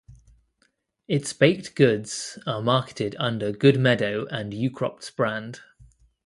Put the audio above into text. Its baked goods are marketed under Good Meadow and Ukrop's brand.